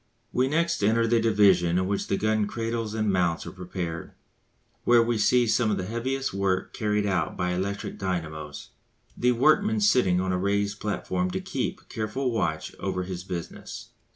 We next enter the division in which the gun cradles and mounts are prepared, where we see some of the heaviest work carried out by electric dynamos, the workman sitting on a raised platform to keep careful watch over his business.